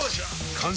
完成！